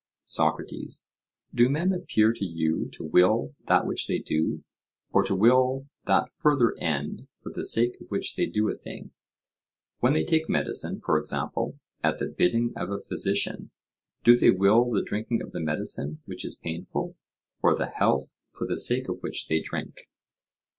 SOCRATES: Do men appear to you to will that which they do, or to will that further end for the sake of which they do a thing? when they take medicine, for example, at the bidding of a physician, do they will the drinking of the medicine which is painful, or the health for the sake of which they drink?